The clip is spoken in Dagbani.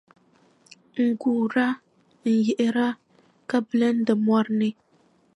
N-guura, n-yiɣira ka bilindi mɔri ni.